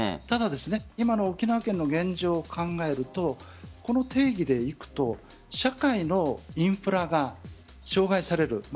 ただ、今の沖縄県の現状を考えるとこの定義でいくと社会のインフラが障害される。